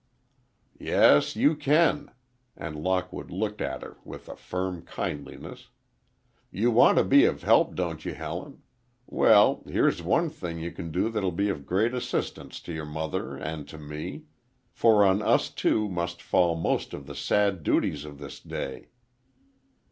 "Yes, you can," and Lockwood looked at her with a firm kindliness. "You want to be of help, don't you Helen? Well, here's one thing you can do that will be of great assistance to your mother and to me. For on us two must fall most of the sad duties of this day."